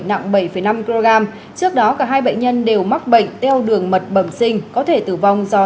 nặng bảy năm kg trước đó cả hai bệnh nhân đều mắc bệnh teo đường mật bẩm sinh có thể tử vong do